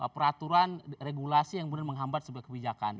peraturan regulasi yang benar benar menghambat sebagai kebijakan